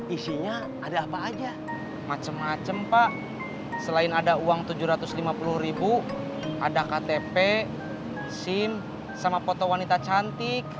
isinya ada apa aja macem macem pak selain ada uang rp tujuh ratus lima puluh ada ktp sim sama foto wanita cantik